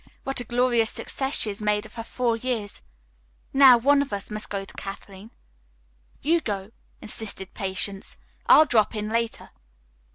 "What a glorious success she has made of her four years. Now, one of us must go to Kathleen." "You go," insisted Patience. "I'll drop in later."